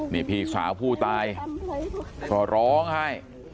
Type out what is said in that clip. นี่พี่สาวผู้ตายก็ร้องไห้